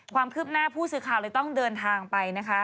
ความคืบหน้าผู้สื่อข่าวเลยต้องเดินทางไปนะคะ